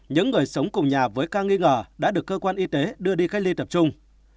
những người sống cùng nhà với ca nghi ngờ đã được cơ quan y tế đưa đi cách ly tập trung